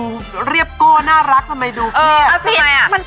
เงินก็ไม่ได้คืน